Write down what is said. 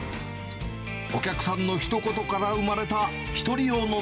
お客さんのひと言から生まれ